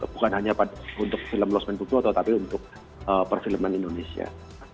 bukan hanya untuk film lost men toto tapi untuk perfilman indonesia